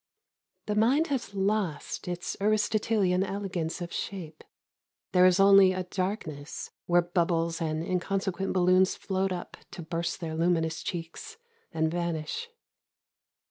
FATIGUE. THE mind has lost its Aristotelian elegance of shape: there is only a darkness where bubbles and incon sequent balloons float up to burst their luminous cheeks and vanish.